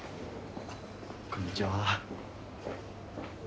こんにちは。